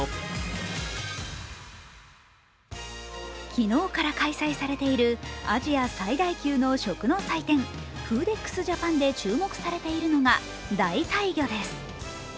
昨日から開催されているアジア最大級の食の祭典、ＦＯＯＤＥＸＪＡＰＡＮで注目されているのが代替魚です。